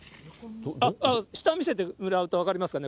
下見せてもらうと分かりますかね。